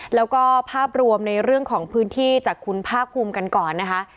แล้วก็ภาพรวมในเรื่องของพื้นที่จากคุณภาคภูมิกันก่อนนะคะ